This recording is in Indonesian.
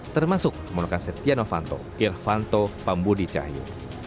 termasuk kemulakan seteh novanto irvanto pamburi cahyo